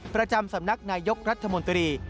ประจำสำนักนายยกรัฐมนตรี